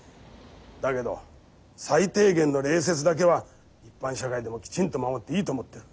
だけど最低限の礼節だけは一般社会でもきちんと守っていいと思ってる。